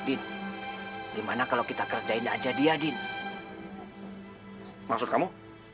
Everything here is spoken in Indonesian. hai eh di mana kalau kita kerjain aja dia di hai maksud kamu